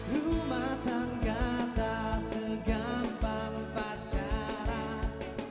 rumah tangga tak segampang pacaran